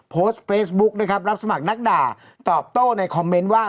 โพสต์เฟซบุ๊กนะครับรับสมัครนักด่าตอบโต้ในคอมเมนต์ว่า